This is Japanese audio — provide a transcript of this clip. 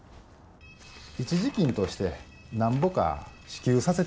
一時金としてなんぼか支給させていただきたい。